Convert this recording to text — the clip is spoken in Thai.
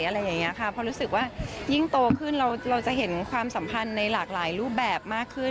เพราะรู้สึกว่ายิ่งโตขึ้นเราจะเห็นความสัมพันธ์ในหลากหลายรูปแบบมากขึ้น